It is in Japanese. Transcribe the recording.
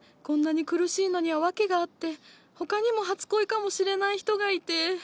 こんなに苦しいのには訳があって他にも初恋かもしれない人がいて。